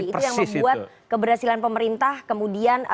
itu yang membuat keberhasilan pemerintah kemudian